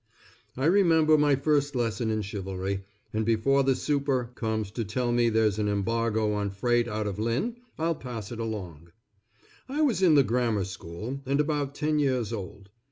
I remember my first lesson in chivalry, and before the super. comes in to tell me there's an embargo on freight out of Lynn, I'll pass it along. I was in the grammar school, and about ten years old.